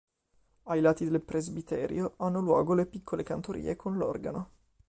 Ai lati del presbiterio hanno luogo le piccole cantorie con l'organo.